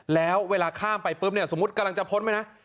แล้วเวลาข้ามไปปุ๊บเนี่ยสมมุติกำลังจะพ้นไปนะ